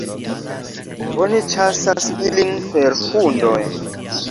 Oni ĉasas ilin per hundoj.